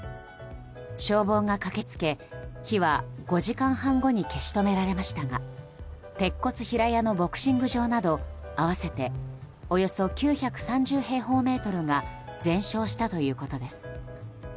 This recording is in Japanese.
消防が駆け付け火は５時間半後に消し止められましたが鉄骨平屋のボクシング場など合わせておよそ９３０平方メートルが全焼したということです。